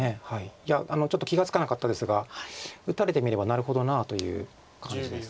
いやちょっと気が付かなかったですが打たれてみればなるほどなという感じです。